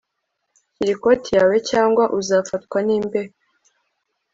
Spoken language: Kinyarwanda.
Shyira ikoti yawe cyangwa uzafatwa nimbeho